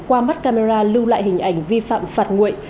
qua mắt camera lưu lại hình ảnh vi phạm phạt nguội